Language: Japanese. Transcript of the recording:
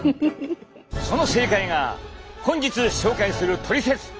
その正解が本日紹介するトリセツ。